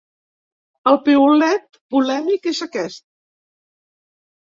El piulet polèmic és aquest.